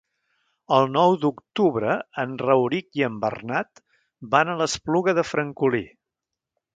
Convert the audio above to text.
El nou d'octubre en Rauric i en Bernat van a l'Espluga de Francolí.